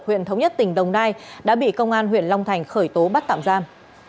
huyện thống nhất tỉnh đồng nai đã bị công an huyện long thành khởi tố bắt tạm giam